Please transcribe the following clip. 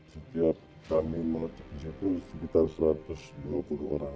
setiap kami mengecek di situ sekitar satu ratus dua puluh orang